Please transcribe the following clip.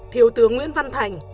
thiếu tướng nguyễn văn thành